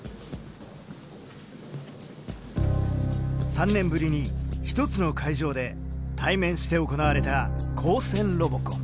３年ぶりに一つの会場で対面して行われた「高専ロボコン」。